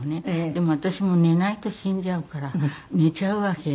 でも私も寝ないと死んじゃうから寝ちゃうわけ。